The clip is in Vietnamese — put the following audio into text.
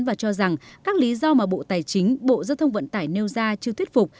và cho rằng các lý do mà bộ tài chính bộ giao thông vận tải nêu ra chưa thuyết phục